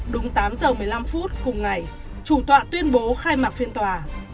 đúng tám giờ một mươi năm phút cùng ngày chủ tọa tuyên bố khai mạc phiên tòa